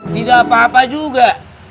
tidak apa apa juga